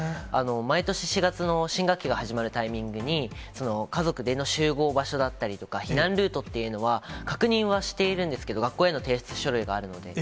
毎年４月の新学期が始まるタイミングに、家族での集合場所だったりとか、避難ルートっていうのは、確認はしているんですけど、学校への提出書類があるので。